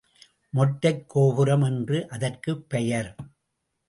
மொட்டைக் கோபுரம் என்று அதற்குப் பெயர்.